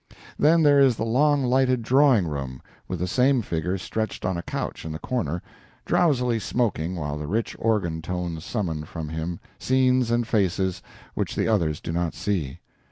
Then there is the long lighted drawing room, with the same figure stretched on a couch in the corner, drowsily smoking while the rich organ tones summon for him scenes and faces which the others do not see.